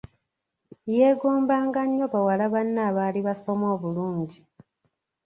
Yeegombanga nnyo bawala banne abaali basoma obulungi.